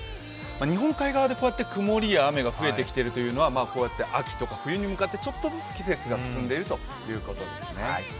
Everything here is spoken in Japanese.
日本海側で曇りや雨が増えてきているというのは秋とか冬に向かってちょっとずつ季節が進んでいるということですね。